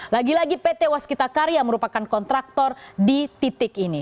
lagi lagi pt waskita karya merupakan kontraktor di titik ini